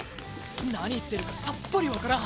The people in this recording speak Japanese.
何言ってるかさっぱり分からん！